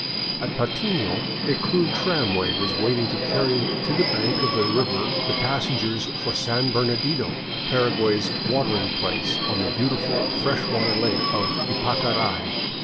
At Patmo a crude tramway was waiting to carry to the bank of the river the passengers for San Bernadino, Paraguay's " watering place," on the beautiful fresh water lake of Ypacarai.